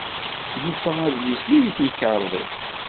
Yufa adlis-nni deg temkarḍit.